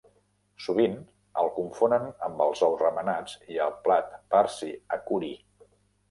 Sovint el confonen amb els ous remenats i el plat parsi akuri".